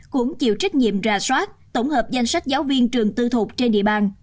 cũng chịu trách nhiệm ra soát tổng hợp danh sách giáo viên trường tư thục trên địa bàn